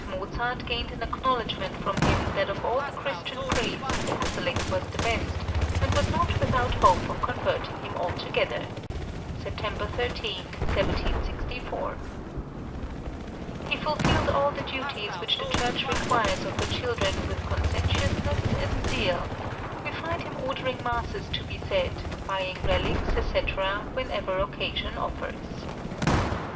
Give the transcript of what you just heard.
Mozart gained an acknowledgment from him that of all the Christian creeds the Catholic was the best, and was not without hope of converting him altogether (September 13, 1764). He fulfilled all the duties which the Church requires of her children with conscientiousness and zeal; we find him ordering masses to be said, buying relics, &c., whenever occasion offers.